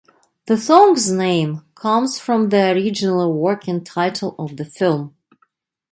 The song's name comes from the original working title of the film.